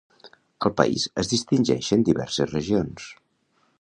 Al país es distingeixen diverses regions.